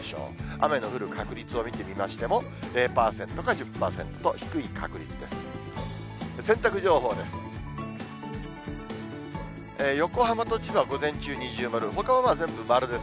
雨の降る確率を見てみましても、０％か１０％、低い確率です。